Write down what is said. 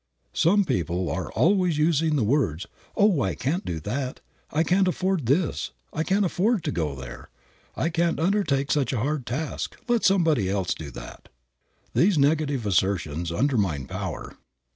Some people are always using the words, "Oh, I can't do that;" "I can't afford this;" "I can't afford to go there;" "I can't undertake such a hard task, let somebody else do that." These negative assertions undermine power.